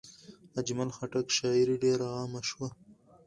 د اجمل خټک شاعري ډېر عامه شوه.